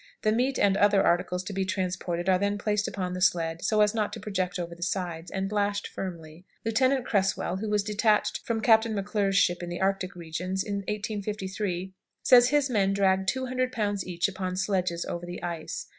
The meat and other articles to be transported are then placed upon the sled so as not to project over the sides, and lashed firmly. Lieutenant Cresswell, who was detached from Captain M'Clure's ship in the Arctic regions in 1853, says his men dragged 200 pounds each upon sledges over the ice.